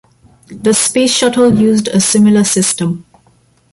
The space shuttle used a similar system.